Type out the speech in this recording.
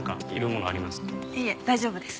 いえ大丈夫です。